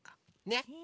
ねっ！